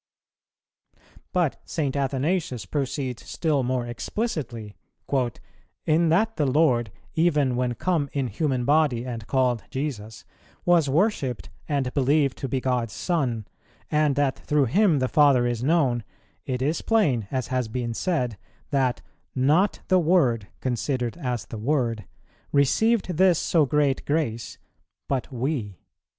[141:2] But St. Athanasius proceeds still more explicitly, "In that the Lord, even when come in human body and called Jesus, was worshipped and believed to be God's Son, and that through Him the Father is known, it is plain, as has been said, that, not the Word, considered as the Word, received this so great grace, but we.